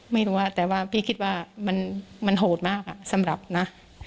ไม่รู้แต่ว่าพี่คิดว่ามันโหดมากสำหรับนะ